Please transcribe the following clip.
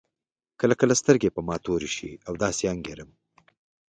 کله کله سترګې په ما تورې شي او داسې انګېرم.